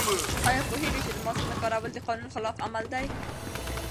آیا پوهېږئ چې د ماسک نه کارول د قانون خلاف عمل دی؟